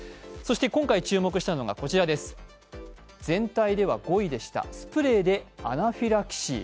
今回注目したのがこちら、全体では５位のスプレーでアナフィラキシー。